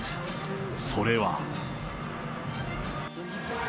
それは。